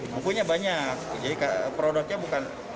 bukunya banyak jadi produknya bukan